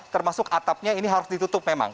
termasuk atapnya ini harus ditutup memang